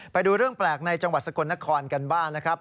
ไปดูเรื่องแปลกในจังหวัดสกลนครกันบ้างนะครับ